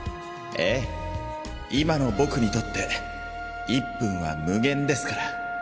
ええ今の僕にとって１分は無限ですから。